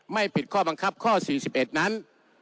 ไม่ผิดข้อบังคับข้อ๔๑นั้น